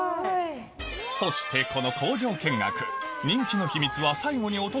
そしてこの工場見学